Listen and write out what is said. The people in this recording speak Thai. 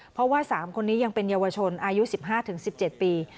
เพราะว่า๓คนนี้ยังเป็นเยาวชนอายุ๑๕๑๗ปี